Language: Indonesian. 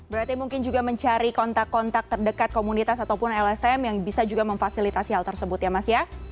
berarti mungkin juga mencari kontak kontak terdekat komunitas ataupun lsm yang bisa juga memfasilitasi hal tersebut ya mas ya